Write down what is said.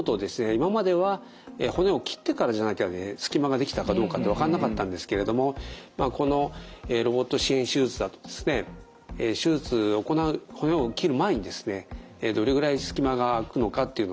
今までは骨を切ってからじゃなきゃね隙間ができたかどうかって分かんなかったんですけれどもこのロボット支援手術だとですね手術を行う骨を切る前にですねどれぐらい隙間が空くのかっていうのをですね